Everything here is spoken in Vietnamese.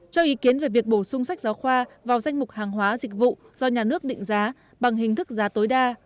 cho ý kiến về việc bổ sung sách giáo khoa vào danh mục hàng hóa dịch vụ do nhà nước định giá bằng hình thức giá tối đa